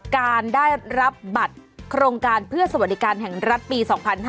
การได้รับบัตรโครงการเพื่อสวัสดิการแห่งรัฐปี๒๕๕๙